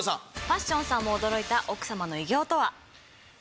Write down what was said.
パッションさんも驚いた奥様の偉業とは？